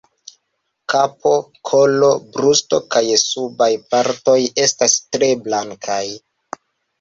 Kapo, kolo, brusto kaj subaj partoj estas tre blankaj.